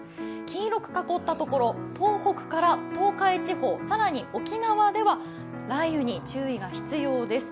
黄色く囲った所、東北から東海地方更に沖縄では雷雨に注意が必要です。